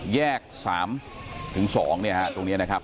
แยก๓๒เนี่ยฮะตรงนี้นะครับ